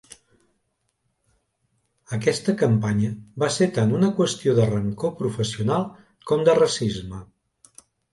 Aquesta campanya va ser tant una qüestió de rancor professional com de racisme.